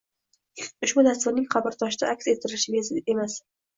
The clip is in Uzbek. — Ushbu tasvirning qabrtoshda aks ettirilishi bejiz emas